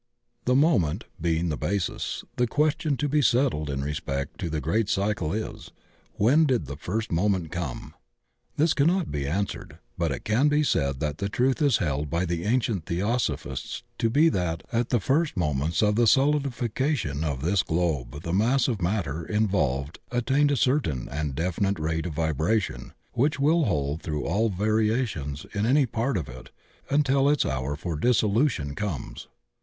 The moment being the basis, the question to be settled in respect to the great cycle is. When did the first moment come? This cannot be answered, but it can be said that die truth is held by the ancient theosophists to be that at the first moments of the solidification of this globe the mass of matter involved attained a certain and definite rate of vibration which will hold through all variations in any part of it imtil its hour for dissolution comes.